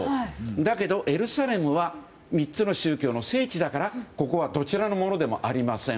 だけど、エルサレムは３つの宗教の聖地だからここはどちらのものでもありません。